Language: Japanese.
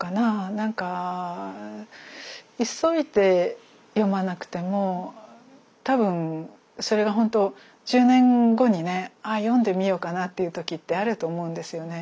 なんか急いで読まなくても多分それがほんと１０年後にね読んでみようかなっていう時ってあると思うんですよね。